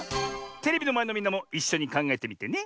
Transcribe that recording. テレビのまえのみんなもいっしょにかんがえてみてね。